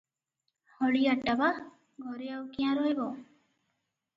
ହଳିଆଟା ବା ଘରେ ଆଉ କିଆଁ ରହିବ?